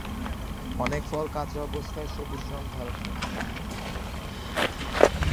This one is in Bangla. অনেক ফল কাঁচা অবস্থায় সবুজ রং ধারণ করে।